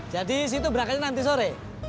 jadi situ berangkatnya nanti sore